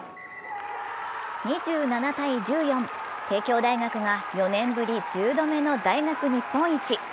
２７−１４、帝京大学が４年ぶり１０度目の大学日本一。